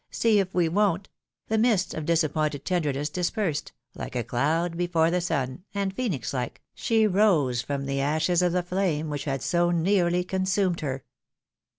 see if we won't," the mists of disappointed tenderness dispersed, like a cloud before the sun, and, phoenix Hke, she rose from the ashes of the flame which had so nearly consumed her.